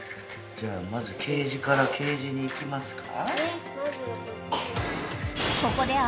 じゃあまずケージからケージにいきますか。